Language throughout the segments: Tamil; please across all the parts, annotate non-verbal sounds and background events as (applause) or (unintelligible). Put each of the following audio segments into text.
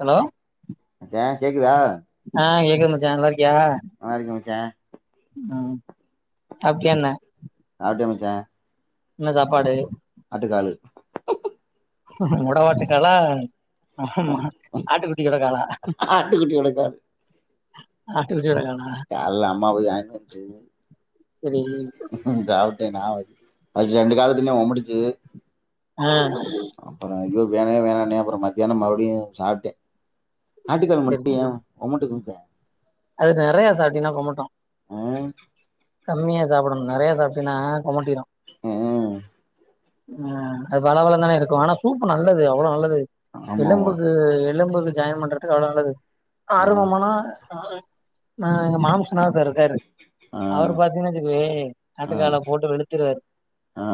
ஹலோ மச்சா கேக்குதா ஆ கேக்குது மச்சா நல்லா இரு க்கியா நல்லா இருக்கே மச்சா ம் ம் சாப்டியா என்ன சாப்ட்டியா மச்சா என்ன சாப்பாடு ஆட்டுக்காலு மொடவாட்டுக்காலா ம் ஆமா ஆட்டுக்குட்டி கடா காலா ஆட்டுக்குட்டியோட காலு ஆட்டுக்குட்டியோட காலு கால்ல அம்மா போய் வாங்கினு வந்ச்சு சரி சாப் ஏ நா அது ரெண்டு கால தின்னே ஒமட்டுச்சு ஆ அப்புற யோ வேணவே வேணான்னே அப்புற மத்தியான மறுபடியு சாப்ட்டே ஆட்டுக்கால் சரி மட்டு யே சரி ஒமட்டுது மச்சா அது நெறைய சாப்டியின்னா கொமட்டு ம் கம்மியா சாப்படணு நெறைய சாப்டியின்னா கொமட்டியிரு ஆ ம் அது வழவழன்னுதானே இருக்கு ஆனா சூப்பு நல்லது அவ்வளவு நல்லது ஆமாவா எலும்புக்கு எலும்புக்கு ஜாயின் பண்றது க்கு அவ்ளோ நல்லது ஆ ஆரம்பமானா ஆ ஆ எங்க மாம்ஸ்னா ஒருத்தர் இருக்காரு ஆ அவரு பாத்தீன்னு வச்சுக்கவே ஆ ஆட்டுக்கால போட்டு வெளுத்துருவாரு ஆ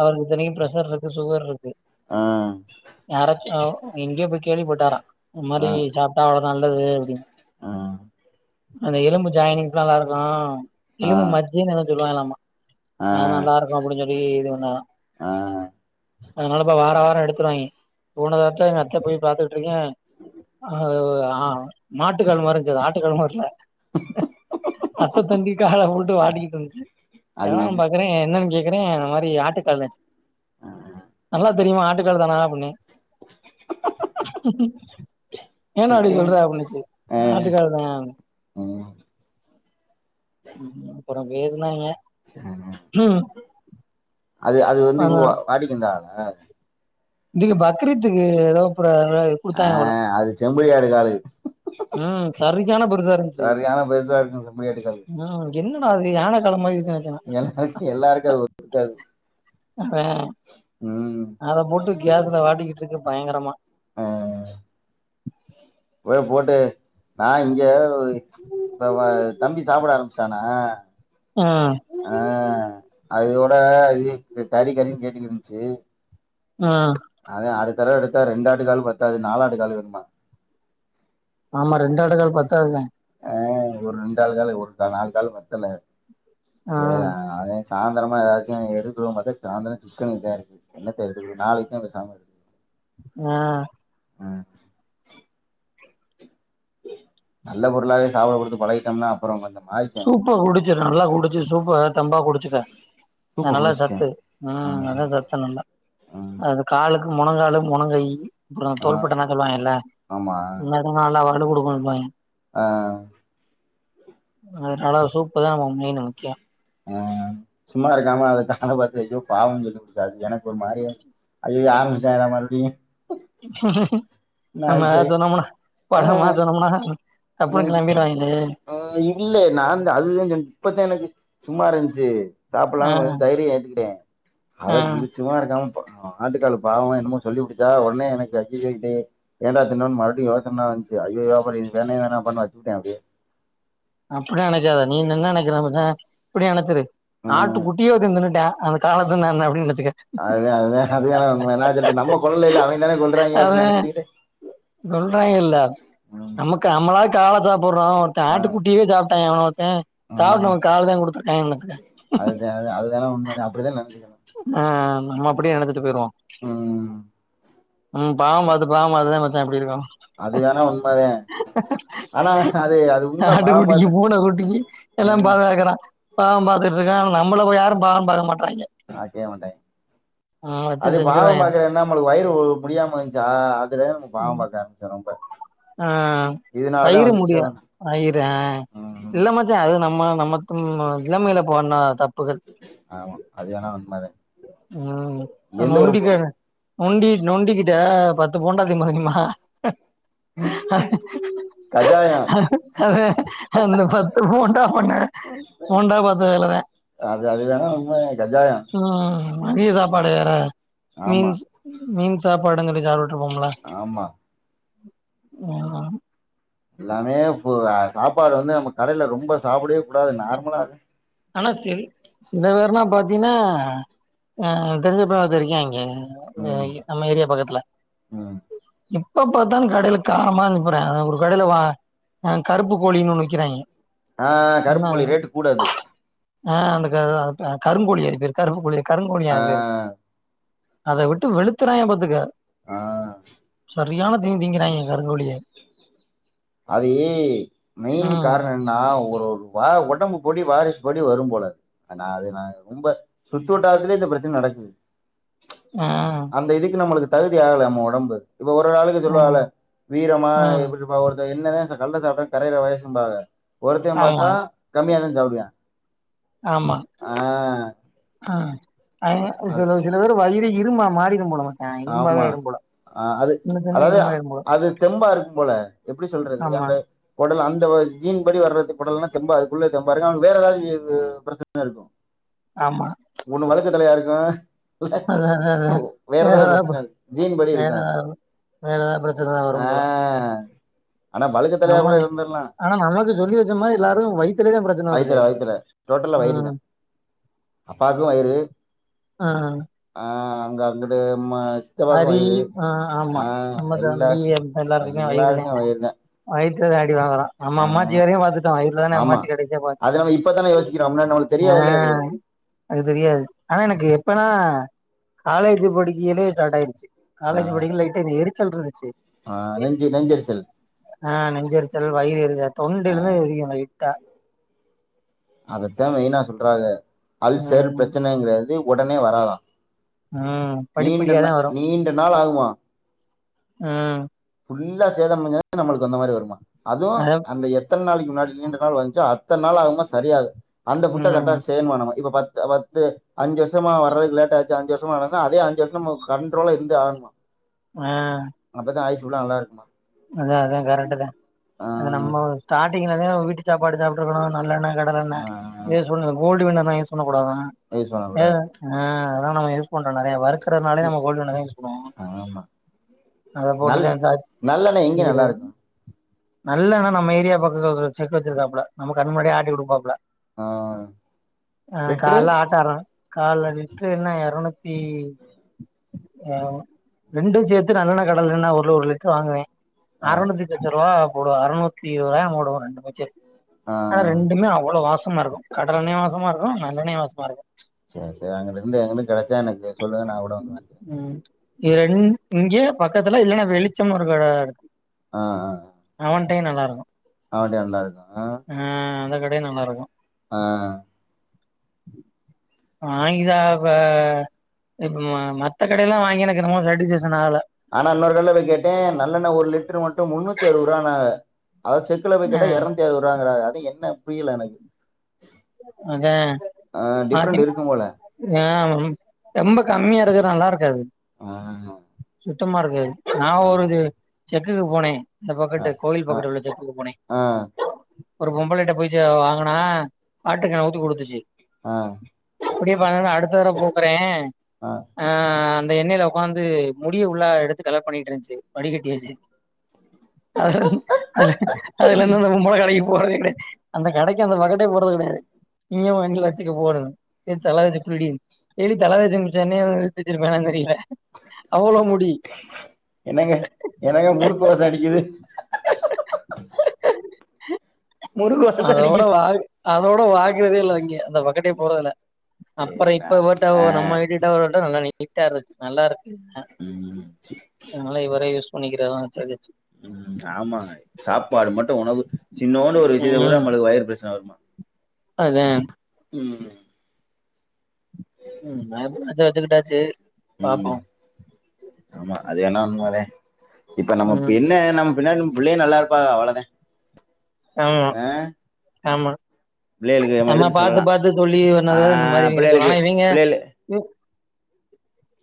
அவருக்கு இத்தனைக்கும் ப்ர ஷர் இருக்கு சுகர் இருக்கு ஆ ஓ எங்கயோ போயி கேள்விப்பட்டாரா இது ஆ மாரி சாப்ட்டா நல்லது அப்டினு ஆ அந்த எலும்பு ஜாயினிங்க்லா நல்லா இருக்கு ஆ எலும்பு மஜ்ஜைன்னு எதோ சொல்வாங்கலாமா ஆ அது நல்லா இருக்கு அப்படி சொல்லி இது பண்ணாறா ஆ அதனால இப்ப வாரா வாரோ எடுத்துருவாய்ங்க போன வாரத்துல எங்க அத்த போய் பாத்து இருங்க (inaudible) ஆ மாட்டு கால்மறஞ்சது ஆட்டு கால் மறல அத்த தண்டி கால போட்டு வாட்டிக்கிட்டு வந்துச்சு அது எதாவு இது பாக்குறே என்னன்னு கே எதுங்க இந் மாரி ஆட்டுக்காலு நல்லா தெரியுமா ஆட்டுக்கால் தானா அப்டின்னு ஏன்ன அப்டி ஓகே சொல்றே ஆ ஆட்டுகால் தா ம் ப்புற பேசுனாங்க ஆ அது அது வந்து இப்ப வாடிக்குந்தான இதுக் பக்ரீத்துக்கு ஏதோ ப்ர அ குடுத்தாங்க போல அது செம்பிலியாடு காலு ம் சரியான பெருசா இருந்துச்சு சரியான பெருசா இருக்கு செம்பிலியாட்டு காலு ம் என்னடா அது யானக் எல்லா எல்லாருக்கது ஒத்துருக்காது அத போட்டு கேஸ்ல வாட்டிக்கிட்டு இருக்க பயங்கரமா ஆஅ போய் போட்டு நா இங்க நம்ம தம்பி சாப்பட ஆரம்பிச்ட்டானா ம் ஆ அதியோட இது கறி கறின்னு கேட்டுகிட்டு இருந்ச்சு ம் அது அடித்தர எடுத் த ரெண்டாட்டு கால பத்தாது நாலாட்டு கால் வேனுமா ஆமா ரெண்டாட்டுகால் பத்தாததுதே ஆ ஒரு ரெண்டு ஆள் கால் ஒரு நாலு கால் பத்தல ஏற ம் ஆனே சாந்தரமா எதாதுச்சு எடுக்குனு பாத்தே சாந்தர சிக்கனுதா என்னத்தெ எடுக்கறது நாளைக்கு சாம இருக்கு ஆ ஆ நல்ல பொருளாவே சாப்ட குடுத்து பழகிட்டம்னா அப்ற வந்த சூப்பா குடிச்ச நல்லா குடிச்சு சூப்பா தெம்பா குடிச்சுக்க அத சூப்ப நல்லா குடிச்சிட்டே சத்து ஆ ம் அதா சத்து நல்லா ஆ அது காலுக்கு மொலங்காலு மொலங்கையி அப்ற ஆ தோள்பட்ட நகாலா இல்ல ஆமா லதிங்கா எல்லா (unintelligible) ஆ அ நாலா சூப்பு தா மா மீனு முக்கியொ ஆ சும்மா இருக்காம அத கண்ண பாத்து ஐயோ பாவம்னு சொல்ல கூடாது எனக் கு ஒரு மாரிய ஐயயொ ஆர (unintelligible) மறுப்டியு நம்ம சொன்னமுனா பணமா சொன்னமுனா எனக் இல்ல நாந்த அதுதே சொன் இப்பத்தே எனக்கு சும்மா இருன்ச்சு ஆ சாப்புல்லான்னு கொஞ்ச தைரிய ஏத்துகிட்டே ஆ அது சும்மாரு க்காம ப ஆட்டுக்கால் பாவொ என்னமோ சொல்லி உட்டுட்டா ஒட்னே எனக்கு ஐயயோ இதயெ ஏன்டா திண்ணோன் மறுப்டி யோசன வன்ச்சு ஐயயோ அபடி வேணவெ வேணாம்பான் வச்சுட்டே அப்டியே அப்டில்லா நெனக்காத நீன் என்ன நெக்கிற (unintelligible) இப்பிடி நெனச்சுரு ஆட்டு ம் குட்டிய ஒருத்த தின்னுட்டே அந்த காலத்து நான் அப்டின் நெனச்சுக்க அதா அதா அது அது வேணா உண்ம நா சொல்ட்டு நம்ம கொல்லல அவிங்க தான கொல்றாய்ங்க அப்டின்னு அதே நெனச்சுக்கிட்டு சொல்றாங்கெல்ல ம் நமக்கு அம்மளா கால சாப் புர்றா ஒருத்த ஆ ஆட்டு குட் டி‌ சாப்டா எவனோ ஒரு த்தே ஆ சாப்ட்டு ஒனக்கு காலதா குடுத்திருக்காங்கன் நெனச்சுக்க அதுதா அது அது வேணா உண்மதா அப்டிதா நெனச்சுக்கணு ஆ நம்ம அப்பிடியே நெனச்சிட்டு போயிடுவோ ம் ம் பாவம் பாத்து பாவம் பாத்துதே மச்சா இப்டி இருக்கோ அது வேணா உண்மதே ஆனா அது அது உண்ம பாவம் ஆட்டுக்குட்டிக்கு பாத்து பூன குட்டிக்கு எல்லாம் ஆ பாதுகாக்கறான் பாவம் பாத்துட்ருக்கா ஆனா நம்மள ப யாரு பாவம் பாக்க மாட்றாய்ங்க பாக்கவே மாட்டாய்ங்க ம் அது வச்சு பாவம் செஞ்சிருவாய்ங்க பாக்குற என்ன நம்மளு வயிறு முடியாம வன்ச்சா அதுல நம்ம பாவம் பாக்க ஆரம்பிச்ச ரொம்ப ஆ இதனாலதா தயிரு முடிய வந்துச்சோ வயிறு ஆ ம் இல்ல மச்சா அது நம்ம நம்ம திம் அ இளமைல பண்ண ப்புகள் ஆமா அது வேணா உண்மதா ம் அ எந்த ஒரு பொ நொண்டிக்கர நொண்டி நொண்டிக்கிட்ட பத்து போண்டா திம்பா (unintelligible) கஜாயம் அந்த பத்து போண்டா பண்ண போண்டா பாத்த வேலதே அது அது வேணா உண்ம கஜாயம் ம் மதிய ம் சாப்பாடு வேற ஆமா மீன்ஸ் மீன்ஸ் சாப்பாடுன்‌ சொல்லி சாப் ட்ருப்போம்ல ஆமா ம் ம் எல்லாமே ஃபு சாப்பாடு வந்து நம்ம கடைல ரொம்ப சாப்புடவே கூடாது நார்மலாவெ ஆனா செரி சில பேர்னா பாத்தீன்னா ஆ தெரிஞ்ச பய ஒருத்தெ இருக்கா இங்க ஆ இந்த ம் இ நம்ம ஏரியா பக்கத்துல ம் எப்ப பாத்தாலு கடைல காரமா இருக்கு பாரே ஒரு கடைல வா ஆ கருப்பு கோழின்னு ஒன்னு விக்கிறாய்ங்க ஆ என்ன கருப்புக் கோழி ரேட்டு கூட அது ஆ அந்த க அதுதா கருங்கோழி அதுக்கு பேரு கருப்புக்கோழி கருங்கோழியா ஆ அதுக்கு பேரு அத விட்டு வெளுத்துறாய்ங்க பாத்துக்க ஆ சரியான தீனி திங்கிறாய்ங்க கருங்கோழிய அது மெயின் ம். காரணோ என்னன்னா ஒ ரு வா ஒடம்பு படி வாரிசு படி வரும் போல அது நா அது நா ரொம்ப சுத்து வட்டாரத்துலயே இந்த பிரச்சன நடக்குது ஆ. அந்த இதுக்கு நம்மளுக்கு தகுதி ஆகல நம்ம ஒடம்பு இப்ப ஒரு ஒரு ஆளுக்கு சொல்வாகல்லா ம். வீரமா ம். எப்பிடி இருப்பாக ஒரு ஆ இந்த கல்ல சாப்ட்டா கரையற வயசும்பாக ஒருத்த ஆமா, பாத்தா கம்மியாதா சாப்டுவா ஆமா ஆ அவிங்க அது சில சில பேரு வயிரி இரும்பா மாறிரும் போலதா ஆமா ஆ அது தின்னு அதாவது இரும்பாயிரும் போல. அது தெம்பா இருக்கும் போல எப்பிடி சொல்றது ஆமா, அந்த கொடல் அந்த ஒரு ஜீன்படி வர்றது கொடலல்லா தெம்பா அதுக்குள்ள தெம் பா இருக்கு அது வேற எதாச்சி அது பிரச்சனையா இருக்கு ஆமா. ஒண்ணு வழுக்க தலையா இரு அதான் அதான் க்கு அதான். ஒ வேற எதாவ்து ஏதாவது பிரச்சன இருக் ஜீன் படி வேற இருக்கு ஏதாவது அது வேற ஆ ஆ ஆமாவே ஆனா நமக்கு சொல்லி வச்ச மாரி எல்லாருக்கு வயி வயித்துல வயித்துல டோட்டலா வயிறுதா ம். அப்பாக்கு வயிறு ம். ஆ உங்க அங்கிட்டு ம சித்தப்பாக்கு ஹரி வயிறு ஆ ஆமா ஆ நம்ம ஃபேமிலி எல்லாரு இருக்க எல்லாத்துக்கு வயிறுதா வயி த்துல அடி வாங்கறோ நம்ம ஆ அம்மாச்சி வரையு பாத்துட்டோ வயித்துலதானே ஆமா அம்மாச்சி கடைசியா அது நம்ம இப்பதான யோசிக்கிறோ முன்னாடி நம்மளுக்கு பாதிச்சுச்சு ஆ தெரியாதுல்ல அது அது தெரியாது ஆனா எனக்கு எப்பனா காலேஜு படிக்கயிலே டடாய்டுச்சி ஆ காலேஜ் படிக்க லைட்ட இந்த எரிச்சல் இருந்துச்சு ஆ நெஞ்சு நெஞ்செரிச்சல் ஆ நெஞ்செரிச்சல் வயிறு எரித ஆ தொண்டைலா தா எரியு லைட்டா அத த மெயின்னா சொல்றாக அல்சர் ம் பிரச்சனங்றாறு எ உடனே வரதா ம் படிப்படியா த வரும் நீண்ட நாள் ஆகுமா ம் இல்லா சேதம் முஞ்சா தா நம்ளுக் அந்த மாரி வருமா அதுவு அத அந்த எத் எத்தன் நாளக்கி முன்னாடி நீண்ட நாள் வாழ்ந்சோ அத்தன் நாள் ஆவுமா சரியாகு அந்த ஃபுட்ட கரட்டா ம் செய்ணுமா நம்ம இப்ப பாத் த பத்து அஞ்சு வர்ஷமா வரத் லேட் ஆச்சு அஞ்சு வர்ஷமா நடந்தா அதே அஞ்சு வருஷமு கண்ட்ரோல இருந்தே ஆகுமா அ துல்லா நல்லா இருக்குமா அதா அதா கரட்டு த அது ஆ நம்மோ ஸ்டாட்டிங் நீ வதாவ் விடு என்ன சாப்பாடு சாப்ட்டுருக்கனு நல்லெண்ண கடலெண்ண நீங்க சொல்லுங்க கோல்டு வின்னர் நா யூஸ் கூட தான ஆ யூஸ் பண்ண எ கூடாது அ நானாக யூஸ் கொஞ்சோ நறைய வருக்றனாலே நம்ம கோல்டு வின்னர் தா யூஸ் பண்ணுவோ ஆமா அத போட்டு த சாச் எ இங்க நல்லாருக்கும் நல்லெண்ண நம்ம ஏரியா பக்கக்ரோ செக் வச்சிருக்காப்ல நம்ம கண்ணு முன்னாடி ஆட்டி குடுப்பாப்ல ஆ அ லிட்ரு கால ஆட்டாரு கால்ல லிட்ரு என்ன எரநூத்தி அ ரெண்டும் சேத்து நல்லெண்ண கடலெண்ண ஒருல ஒரு லிட்ரு வாங்குவ ஆ அறநூத்தி சொச்ச ரூபா போடுவா அறுநூத்தி இருவதுரூவாய அவன் போடுவா பட்ஜெட் ஆ அனா ரெண்டுமே அவ்ளோ வாஸ் சும்மா இருக்கு கடலெண்ணெயும் வாசமா இருக்கும் நல்லெண்ணெயும் வாசமா இருக்கும் சேர் சேர் அங்கன இருந்து எங்கனு கெடைச்சா எனக்கு சொல்லுங்க நா கூடோ வந்து வாங்கிக்கிற ம் இது ரெண் இங்கே பக்கதுல இல்லனா வெளிச்சம்னு ஒரு கட ஆ ஆ ஆ டீ நல்லா இருக்கும் அவன் டீ நல்லா இருக்கும் ம் கடே நல்லாருக்கு ஆ வாங்கி சாப்ப இப் மத்த கடைலா வாங்கி எனக்கு என்னமோ சாட்டிஸ்பேக்ஷன் ஆகல ஆனா இன்னொரு கல்ல போய் கேட்டே நல்லெண்ண ஒரு லிட்ரு மட்டு முன்னூத்தி அறுவருவான்னாங்க அத செக்குல போய் ஆ கேட்டா எர்நூத்தி அறுவருவாங்குறாக என்ன புரில எனக்கு அதா பாத்தெ டிஃப்ரெண்ட் இருக்கும் போல ஆ ரொம்ப கம்மியா இருக்க நல்லாருக்காது ஆ அ டமா இருக்காது நா ஒரு செக்குக்கு போனே இந்த ஆ, பக்கட்டு கோயில் ஆ, பக்கட்டு உள்ள செக்குக்கு போனெ ஆ, ஒரு பொம்பளைட்ட போயி ச வாங்குனா வாட்டக்கேன்ல ஊத்தி குடுத்துச்சு ஆ, இப்புடியே (unintelligible) அடுத்த தட போக்குறே ஆ அ ந்த எண்ணெய்ல உக்காந்து முடிய உள்ளா எடுத்து கலெக்ட் பண்ணிட்ருந்துச்சு வடிகட்டி வச்சு அதுலந் அதுல அதுலந்து அந்த பொம்பள‌ கடக்கி போறதேல்ல அந்த கடக்கி அந்த பக்கட்டே போ றது கடயாது நீயே வாங்கி வச்சுக்க போனு (unintelligible) டெய்லி தல தேச்ச மிச்ச எண்ணய வித்துருப்பாலான் தெரியில என்னங்க என்னங்க முறுக்குவாச அடிக்கிது ஹ அதோட வா அதோட வா ங்குறதே இல்ல அங்க அந்த பக்கட்டே போறதில்ல அப்பற சரிண்ணா இப்ப பட்டா ஒ நம்ம வீட்டுட்ட வரவன்ட நல்ல நி நீட்டா இருந்துச்சு நல்லாரு க்கு ம், அனால இவரே யூஸ் பண்ணிக்கிறாங்க (unintelligible) ம் ஆமாங்க சாப்பாடு மட்டு உணவு சின்னோன்டு ஒரு விஷ்யத்ல கூட ம் நம்மளுக்கு வயிறு பிரச்சன வருமா அதா ம் உ ம் நா எது செஞ்ச வச்சுகிட்டாச்சு ம், பாப்போ ஆமா அது வேணா உண்மதா இப்ப நம்ம ம் பின்ன நம் பின்னடி நம்ம பிள்ளைய நல்லா இருப்பாக அவ்வளதா அ ஆம்மா நம்ம பாத்து பாத்து சொல்லி பண்ணத இந்த மாரி ஆஹ் இவிங்கே ரேஞ்சு வரும் பிள்ளைகளுக்கு ஆனா இவிங்கே. பிள்ளைகள்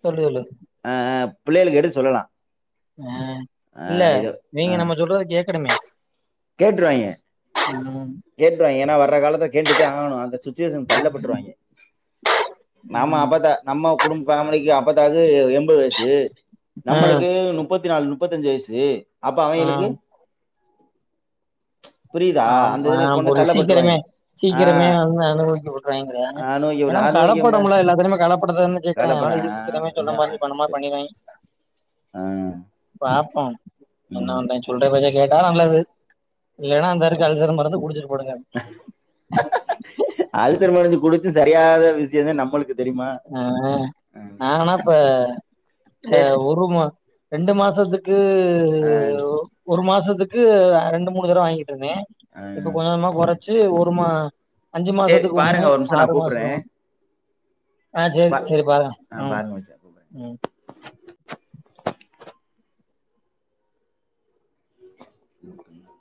சொல்லு ல்லு அ அ புள்ளைகளுக் எடுத்து சொல்லலா ஆ இல்ல நீங்க நம்ம சொல்றத கேக்கணுமே கேட்டுருயங்க ம் கேட்டுவாங்க ஏன்னா வர்ற காலத்துக் கேட்டு தா ஆகணும் அந்த சுத் ஜியோசிம். தள்ளப்பட்டுருவாங்க நம்ம ம் அப நம்ம குடும் ஃபேமிலிகே அப் பத்தாக் எம்பது வயசு ஆ நம்மளுக்கு முப்பத்தி நாலு முப்பத்தஞ்சி வயசு அப்ப ஆ அவிங்கேளுக்கு புரியுதா அந்த இதுல ஆம் கொண்டு கொஞ்ச சீக்கிரமே தள்ளப்பட்டுருவாங்க சீக்கிரமே ஆஹ் அந்த அளவுக்கு விடரைங்கே ஆரோக்கியம் ஏனா ஆரோக்கியம்னா கலப்படம்லா எல்லாத்துலமே கலப்படத்த வந்து கேக்குறாங்கே கலப்பனா ஆளுக் சீக்கிரமே சொன்ன அதுதான் மாரி அதான் பண்ண மாரி கரெக்ட் பண்ணிருவேங்கே ஆஹ் பாப்போம் அண்ணா உம் வண்டச்சு சொல்ற பேச்ச கேட்டா நல்லது இல்லன்னா அந்த (inaudible) (inaudible) சரிகாத விசயம் தா நம்பளுக்கு ஆ ஆனாப்ப ஆ சரி ஒரு மா ரெண்டு மாசத்துக் ந்து ஆஹ் ஓ ஒரு மாசத் துக்கு ஆ ரெண்டு மூணு தடவ வாங்கி ட்டுருந்தே இப்ப கொஞ்ச கொஞ்சமா கொறச்சு ஒரு மா அஞ்சு சரி மாசத்துக்கு ஒண்ணு பாருங்க ஒரு நிமிஷம் நான் ஆறு மாசத்துல கூப்பிடுறேன் ஒண்ணு ஆ சேரி பா சேரி பாருங்க ஆ ம் பாருங்க மச்சான் கூப்பிடுறேன் ம் (inaudible)